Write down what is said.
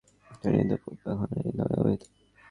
ইহার অর্থ প্রধান পুরোহিত, পোপ এখন এই নামে অভিহিত।